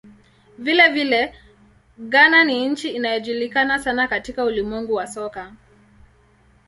Vilevile, Ghana ni nchi inayojulikana sana katika ulimwengu wa soka.